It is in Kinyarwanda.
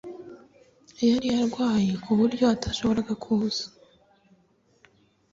Yari arwaye, ku buryo atashoboraga kuza